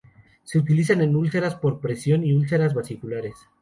Se utilizan en úlceras por presión y úlceras vasculares.